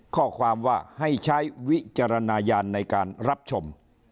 ข้อความว่าให้ใช้วิจารณญาณในการรับชม